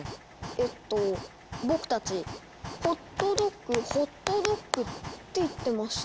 えっと僕たち「ホットドッグホットドッグ」って言ってました。